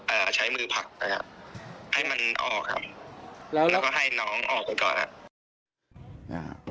เอ่อใช้มือผักนะครับให้มันออกครับแล้วก็ให้น้องออกก่อนครับ